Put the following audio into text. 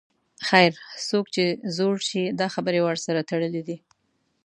خیر، څوک چې زوړ شي دا خبرې ورسره تړلې دي.